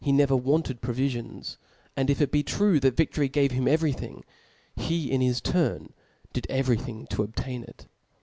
xer wanted provi&ons •, and if ic be true that vic tory gave him every thing/ he, in his turn, did every thing to obtain it.